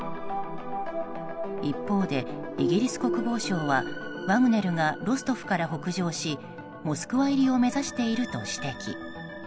一方でイギリス国防省はワグネルがロストフから北上しモスクワ入りを目指していると指摘。